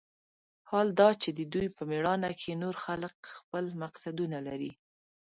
حال دا چې د دوى په مېړانه کښې نور خلق خپل مقصدونه لري.